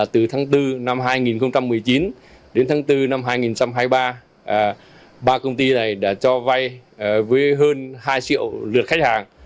từ tháng bốn năm hai nghìn một mươi chín đến tháng bốn năm hai nghìn hai mươi ba ba công ty này đã cho vay với hơn hai triệu lượt khách hàng